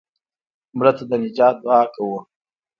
مړه ته د نجات دعا کوو